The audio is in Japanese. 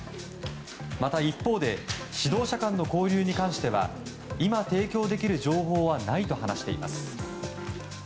また一方で指導者間の交流に関しては今、提供できる情報はないと話しています。